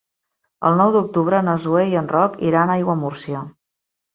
El nou d'octubre na Zoè i en Roc iran a Aiguamúrcia.